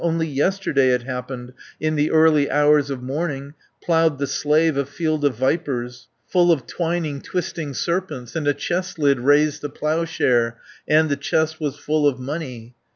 Only yesterday it happened, In the early hours of morning, 90 Ploughed the slave a field of vipers, Full of twining, twisting serpents, And a chest lid raised the ploughshare, And the chest was full of money.